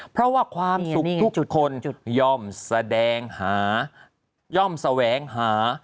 เพราะว่าความสุขทุกคนย่อมแสดงหาย่อมแสวงหา